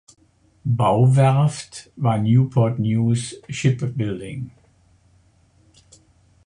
Bauwerft war Newport News Shipbuilding.